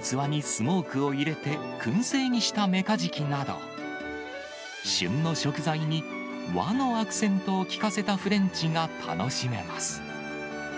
器にスモークを入れて、くん製にしたメカジキなど、旬の食材に和のアクセントを効かせたフレンチが楽しめます。